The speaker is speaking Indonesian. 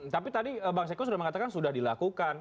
tapi tadi bang seko sudah mengatakan sudah dilakukan